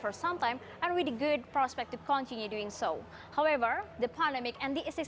pertama tama saya ingin mengucapkan terima kasih kepada analis